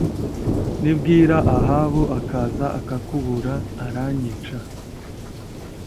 Nimbwira Ahabu akaza akakubura aranyica